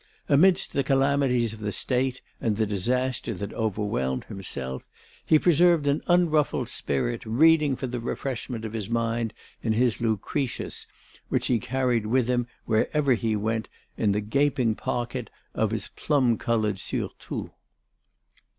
Amidst the calamities of the State and the disaster that overwhelmed himself, he preserved an unruffled spirit, reading for the refreshment of his mind in his Lucretius, which he carried with him wherever he went in the gaping pocket of his plum coloured surtout.